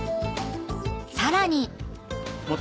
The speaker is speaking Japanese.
［さらに］